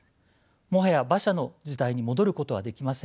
もはや馬車の時代に戻ることはできません。